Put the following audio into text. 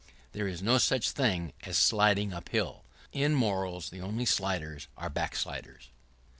There is no such thing as sliding up hill. In morals the only sliders are backsliders.